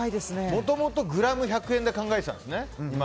もともとグラム１００円で考えてたんですね。